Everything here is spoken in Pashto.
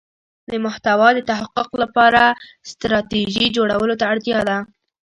د محتوا د تحقق لپاره ستراتیژی جوړولو ته اړتیا ده.